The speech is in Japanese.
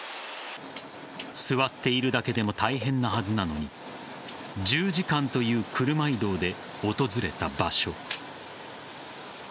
座っているだけでも大変なはずなのに１０時間という車移動で訪れた場所。